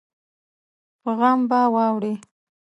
په غم به واوړې